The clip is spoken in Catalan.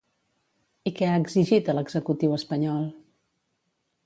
I què ha exigit a l'executiu espanyol?